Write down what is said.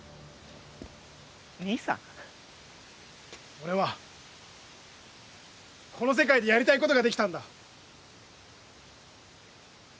俺はこの世界でやりたいことができたんだ。